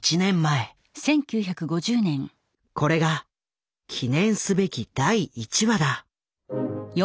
これが記念すべき第１話だ。